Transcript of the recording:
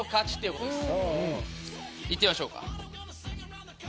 いってみましょうか。